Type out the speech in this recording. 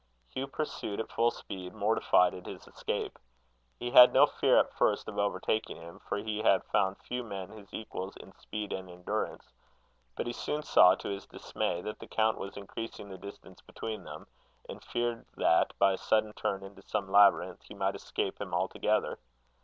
Hugh pursued at full speed, mortified at his escape. He had no fear at first of overtaking him, for he had found few men his equals in speed and endurance; but he soon saw, to his dismay, that the count was increasing the distance between them, and feared that, by a sudden turn into some labyrinth, he might escape him altogether.